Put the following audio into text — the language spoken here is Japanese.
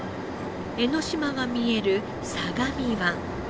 江ノ島が見える相模湾。